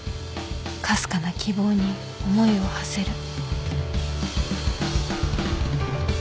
かすかな希望に思いをはせる